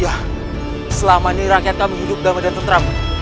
yah selama ini rakyat kami hidup dalam badan tentram